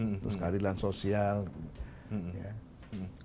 oke sebenarnya ada parameter kegunaan kita sudah berhasil yang mana nih